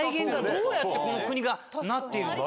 どうやってこの国がなっているのか。